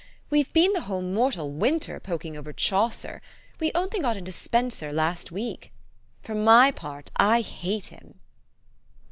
"We've been the whole mortal winter poking over Chaucer. We only got into Spenser last week. For my part, I hate him.